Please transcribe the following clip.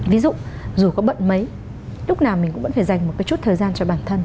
ví dụ dù có bận mấy lúc nào mình cũng vẫn phải dành một cái chút thời gian cho bản thân